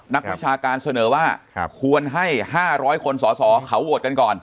นักวิชาการเสนอว่าควรให้๕๐๐คนสอสอเขาโหวตกันก่อน